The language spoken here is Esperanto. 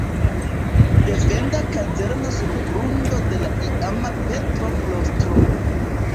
Defenda kazerno sur grundo de la iama Petro-klostro.